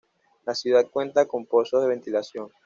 La ciudad cuenta con pozos de ventilación.